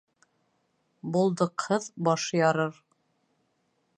Булдыҡһыҙ баш ярыр.